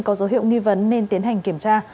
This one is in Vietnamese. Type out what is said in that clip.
có dấu hiệu nghi vấn nên tiến hành kiểm tra